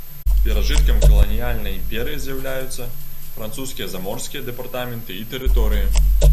Перажыткам каланіяльнай імперыі з'яўляюцца французскія заморскія дэпартаменты і тэрыторыі.